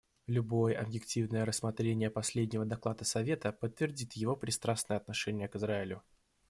Любое объективное рассмотрение последнего доклада Совета подтвердит его пристрастное отношение к Израилю.